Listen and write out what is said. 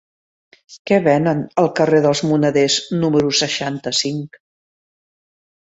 Què venen al carrer dels Moneders número seixanta-cinc?